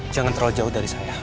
jangan terlalu jauh dari saya